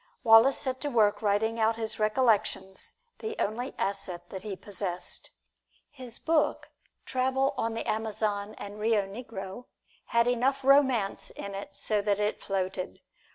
Wallace set to work writing out his recollections, the only asset that he possessed. His book, "Travel on the Amazon and Rio Negro," had enough romance in it so that it floated.